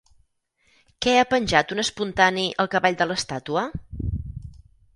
Què ha penjat un espontani al cavall de l'estàtua?